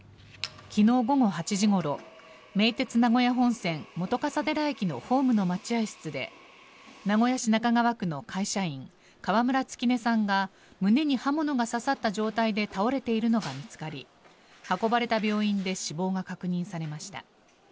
昨日午後８時ごろ名鉄名古屋本線本笠寺駅のホームの待合室で名古屋市中川区の会社員川村月音さんが胸に刃物が刺さった状態で倒れているのが見つかり運ばれた病院で死亡が確認されました。